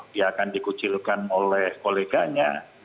dia akan dikucilkan oleh koleganya